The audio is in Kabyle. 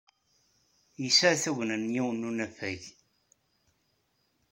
Yesɛa tugna n yiwen n unafag.